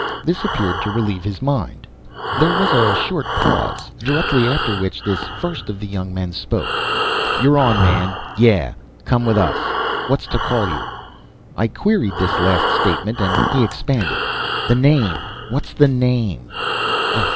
This appeared to relieve his mind. There was a short pause, directly after which this first of the young men spoke: "You're on, man. Yeah, come with us. What's to call you?" I queried this last statement, and he expanded: "The name. What's the name?"